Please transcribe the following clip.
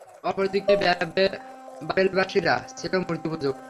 অপরদিকে বাবেলবাসীরা ছিল মূর্তিপূজক।